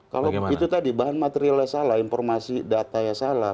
kalau itu tadi bahan materialnya salah informasi datanya salah